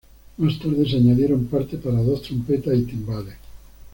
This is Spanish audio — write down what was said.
Más tarde, se añadieron parte para dos trompetas y timbales.